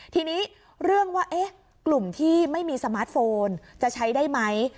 ทีนี้เรื่องว่ากลุ่มที่ไม่มีสมาร์ทโฟนจะใช้ได้ไหม